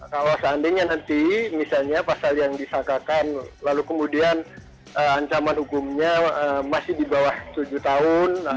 kalau seandainya nanti misalnya pasal yang disangkakan lalu kemudian ancaman hukumnya masih di bawah tujuh tahun